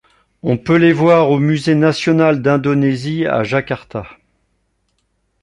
On peut les voir au Musée National d'Indonésie à Jakarta.